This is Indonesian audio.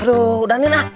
aduh udah nin ah